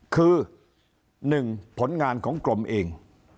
คือหนึ่งผลงานของกรมเอง